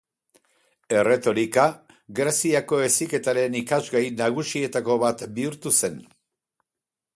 Erretorika Greziako heziketaren irakasgai nagusietako bat bihurtu zen.